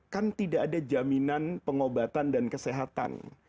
kan tidak ada jaminan pengobatan dan kesehatan